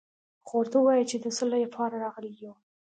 خو ورته ووايه چې د څه له پاره راغلي يو.